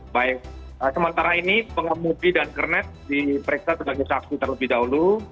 jadi baik sementara ini pengamu pi dan kernet diperiksa sebagai saksi terlebih dahulu